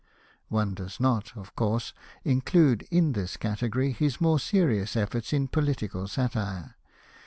One does not, of course, include in this category his more serious efforts in political satire.